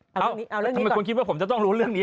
เอาเรื่องนี้ก่อนทำไมคุณคิดว่าผมจะต้องรู้เรื่องนี้